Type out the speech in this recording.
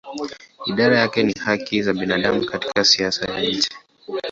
Idara yake ni haki za binadamu katika siasa ya nje.